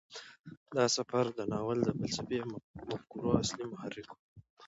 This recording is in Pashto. دا سفر د ناول د فلسفي مفکورو اصلي محرک و.